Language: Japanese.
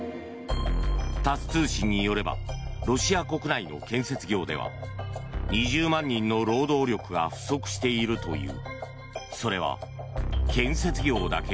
タス通信によればロシア国内の建設業では２０万人の労働力が不足しているという。